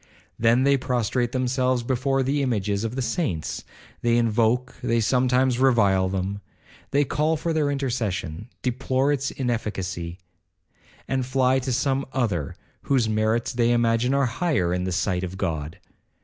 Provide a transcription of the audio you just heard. Then they prostrate themselves before the images of the saints,—they invoke, they sometimes revile them. They call for their intercession, deplore its inefficacy, and fly to some other, whose merits they imagine are higher in the sight of God.